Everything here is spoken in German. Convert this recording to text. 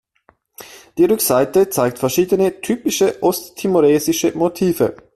Die Rückseiten zeigen verschiedene typische osttimoresische Motive.